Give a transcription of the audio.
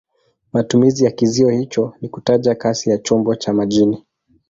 Matumizi ya kizio hicho ni kutaja kasi ya chombo cha majini.